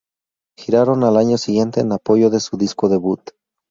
Giraron al año siguiente en apoyo de su disco debut.